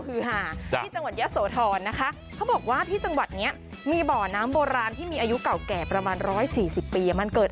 หาเขาบอกว่าที่จังหวัดเนี้ยมีบ่อน้ำโบราณที่มีอายุเก่าและมา๑๔๐ปีมันเกิด